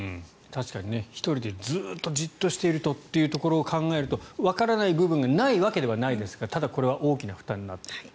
確かに１人でずっとじっとしているとっていうところを考えるとわからない部分がないわけではないですがただ、これは大きな負担になっている。